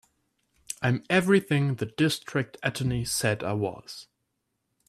I'm everything the District Attorney said I was.